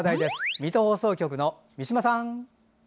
水戸放送局の三島さん。